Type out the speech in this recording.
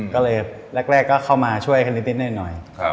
ก็เลยแรกก็เข้ามาช่วยกันนิดหน่อย